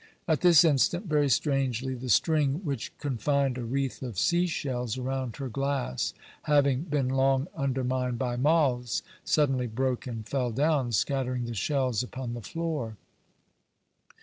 At this instant, very strangely, the string which confined a wreath of sea shells around her glass, having been long undermined by moths, suddenly broke and fell down, scattering the shells upon the floor.